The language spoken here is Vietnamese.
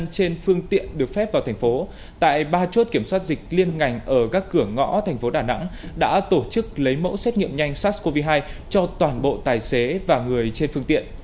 trên phương tiện được phép vào thành phố tại ba chốt kiểm soát dịch liên ngành ở các cửa ngõ thành phố đà nẵng đã tổ chức lấy mẫu xét nghiệm nhanh sars cov hai cho toàn bộ tài xế và người trên phương tiện